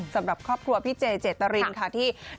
สำหรับครอบครัวพี่เจเจตรินค่ะที่